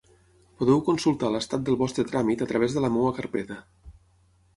Podeu consultar l'estat del vostre tràmit a través de La Meva Carpeta.